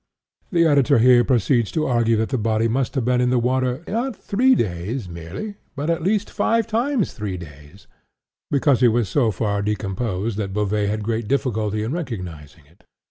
The editor here proceeds to argue that the body must have been in the water "not three days merely, but, at least, five times three days," because it was so far decomposed that Beauvais had great difficulty in recognizing it.